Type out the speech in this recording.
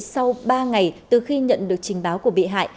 sau ba ngày từ khi nhận được trình báo của bị hại